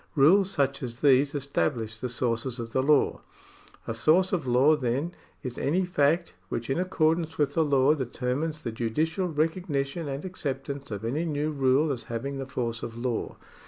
Rules such as these establish the sources of the law. A source of law, then, is any fact which in accordance with the law determines the judicial recognition and acceptance of any new rule as having the force of law.